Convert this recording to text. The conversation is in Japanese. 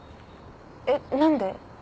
えっ何で？